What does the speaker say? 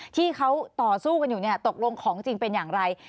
ที่เขาต่อสู้กันอยู่เนี่ยตกลงของจริงเป็นอย่างไร